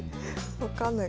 分かんない。